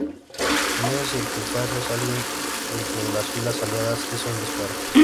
En esas circunstancias, alguien dentro de las filas aliadas hizo un disparo.